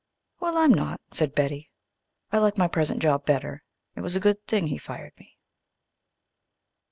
"Well, I'm not," said Betty. "I like my present job better. It was a good thing he fired me."